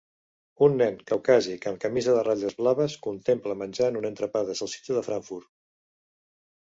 Un nen caucàsic amb camisa de ratlles blaves contempla menjant un entrepà de salsitxa de Frankfurt.